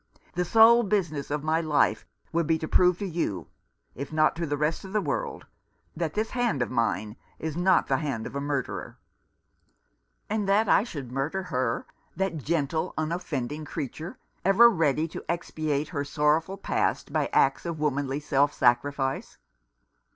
The sole business of my life will be to prove to you, if not to the rest of the world, that this hand of mine is not the hand of a murderer. "And that I should murder her, that gentle, unoffending creature, ever ready to expiate her sorrowful past by acts of womanly self sacrifice.